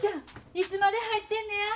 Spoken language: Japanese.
いつまで入ってんねや？